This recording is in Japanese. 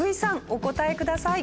お答えください。